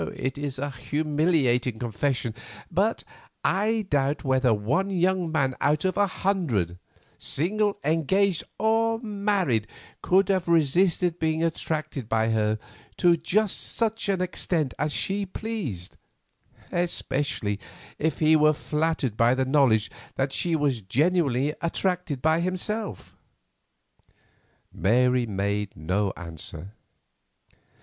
It is a humiliating confession, but I doubt whether one young man out of a hundred, single, engaged, or married, could have resisted being attracted by her to just such an extent as she pleased, especially if he were flattered by the knowledge that she was genuinely attracted by himself." Mary made no answer.